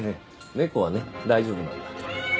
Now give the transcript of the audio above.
猫はね大丈夫なんだ。